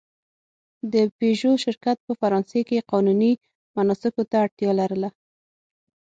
د پيژو شرکت په فرانسې کې قانوني مناسکو ته اړتیا لرله.